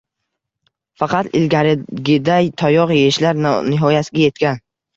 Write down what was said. Faqat ilgarigiday tayoq yeyishlar nihoyasiga yetgan!